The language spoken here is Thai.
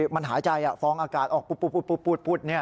มันหายใจฟองอากาศออกปุ๊บ